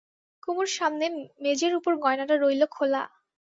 কুমুর সামনে মেজের উপর গয়নাটা রইল খোলা।